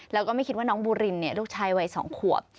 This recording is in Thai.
แล้วก็ไม่คิดว่าน้องบูรินลูกชายวัย๒ขวบ